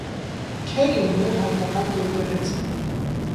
Քերին ուներ հայկական եկեղեցի։